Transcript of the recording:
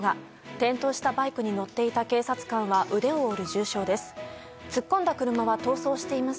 転倒したバイクに乗っていた警察官は腕を折る重傷です。